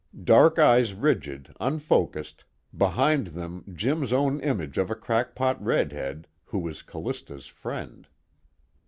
Dark eyes rigid, unfocused, behind them Jim's own image of a crackpot redhead who was Callista's friend.